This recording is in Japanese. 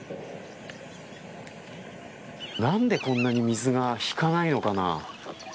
なんで、こんなに水が引かないのかな。